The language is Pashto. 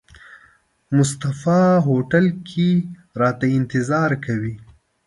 مصطفی هوټل کې راته انتظار کوي.